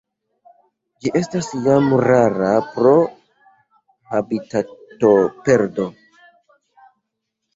Ĝi estas jam rara pro habitatoperdo.